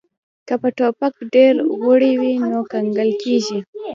که په ټوپک ډیر غوړي وي نو کنګل کیږي